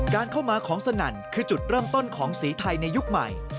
การเข้ามาของสนั่นคือจุดเริ่มต้นของสีไทยในยุคใหม่